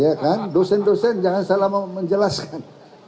ya kan dosen dosen jangan salah mau menjelaskan